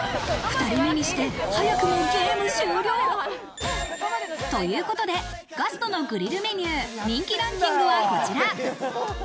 ２人目にして早くもゲーム終了。ということでガストのグリルメニュー人気ランキングはこちら。